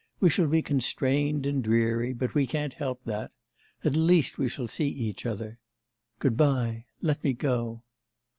We shall be constrained and dreary, but we can't help that; at least we shall see each other. Good bye. Let me go.